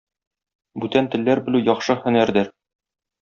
Бүтән телләр белү яхшы һөнәрдер.